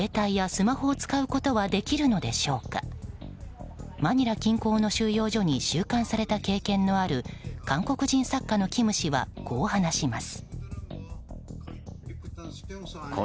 マニラ近郊の刑務所に収容された経験のある韓国人作家のキム氏はこう話します。